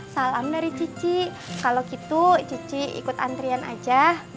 salam dari cici kalau gitu cici ikut antrian aja